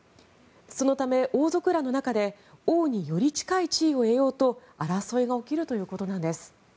そのため王族らの中で王により近い地位を得ようと争いが起きるということなんです。